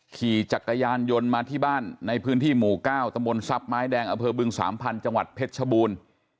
ขี่จักรยานยนต์มาที่บ้านในพื้นที่หมู่๙ตำบลทรัพย์ไม้แดงอำเภอบึงสามพันธุ์จังหวัดเพชรชบูรณ์